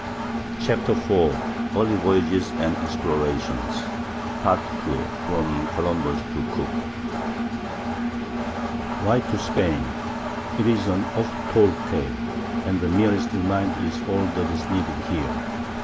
CHAPTER IV (Continued) EARLY VOYAGES AND EXPLORATIONS PART II—FROM COLUMBUS TO COOK Why to Spain? It is an "oft told tale," and the merest reminder is all that is needed here.